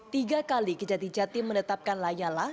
tiga kali kejati jatim menetapkan lanyala